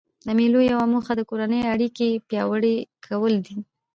د مېلو یوه موخه د کورنۍ اړیکي پیاوړي کول دي.